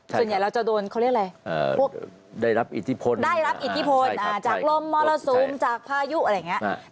ส่วนใหญ่เราจะโดนได้รับอิทธิพลได้รับอิทธิพลจากลมมรสมจากพายุอะไรอย่างนี้